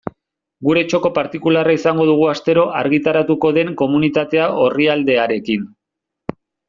Gure txoko partikularra izango dugu astero argitaratuko den Komunitatea orrialdearekin.